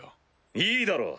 いいだろう！